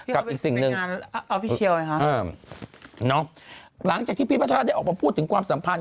กับอีกสิ่งหนึ่งเนอะหลังจากที่พี่พัชราชได้ออกมาพูดถึงความสัมพันธ์